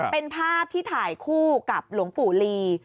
เป็นภาพที่ถ่ายคู่กับหลวงปู่ลี